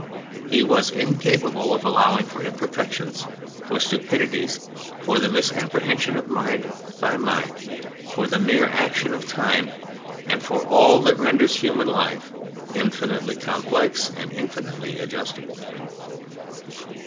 He was incapable of allowing for imperfections, for stupidities, for the misapprehension of mind by mind, for the mere action of time, and for all that renders human life infinitely complex and infinitely adjustable.